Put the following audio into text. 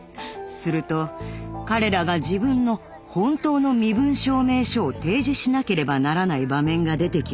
すると彼らが自分の本当の身分証明書を提示しなければならない場面が出てきます。